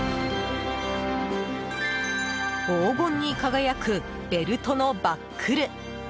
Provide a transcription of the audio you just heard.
黄金に輝くベルトのバックル。